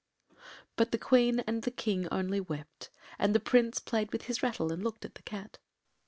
” But the Queen and the King only wept, and the Prince played with his rattle and looked at the cat.